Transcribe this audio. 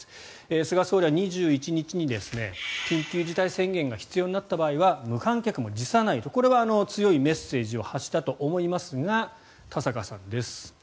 菅総理は２１日に緊急事態宣言が必要になった場合は無観客も辞さないとこれは強いメッセージを発したと思いますが田坂さんです。